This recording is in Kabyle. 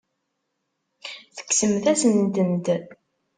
Tekksemt-asen-tent.